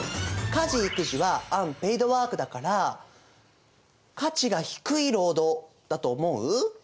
家事・育児はアンペイドワークだから価値が低い労働だと思う？